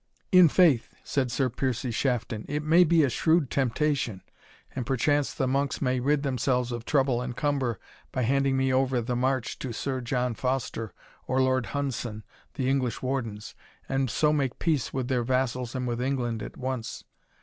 "In faith," said Sir Piercie Shafton, "it may be a shrewd temptation, and perchance the monks may rid themselves of trouble and cumber, by handing me over the march to Sir John Foster or Lord Hundson, the English wardens, and so make peace with their vassals and with England at once.